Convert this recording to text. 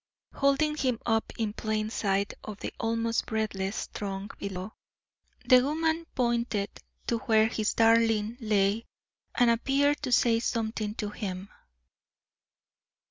Holding him up in plain sight of the almost breathless throng below, the woman pointed to where his darling lay and appeared to say something to him.